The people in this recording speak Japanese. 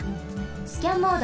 スキャンモード。